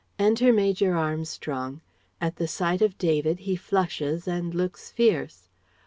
Enter Major Armstrong. At the sight of David he flushes and looks fierce.